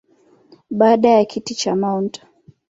Baada ya kiti cha Mt.